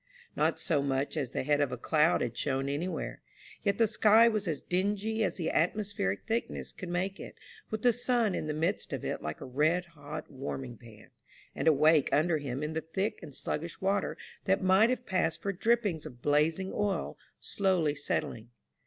Not so much as the head of a cloud had shown anywhere ; yet the sky was as dingy as the atmospheric thickness could make it, with the sun in the midst of it like a red hot warming pan, and a wake under him in the thick and sluggish water that might have passed for drippings of blazing oil slowly settling.